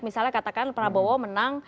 misalnya katakan prabowo menang